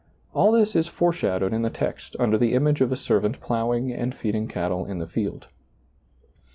All this is foreshadowed in the text under the image of a servant plowing and feeding cattle in the field.